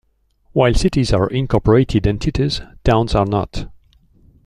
While cities are incorporated entities, towns are not.